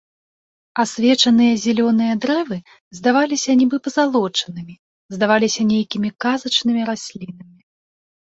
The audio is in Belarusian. Асвечаныя зялёныя дрэвы здаваліся нібы пазалочанымі, здаваліся нейкімі казачнымі раслінамі.